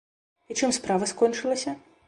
І чым справа скончылася?